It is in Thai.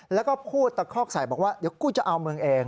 แล้วก็พูดตะคอกใส่บอกว่าเดี๋ยวกูจะเอามึงเอง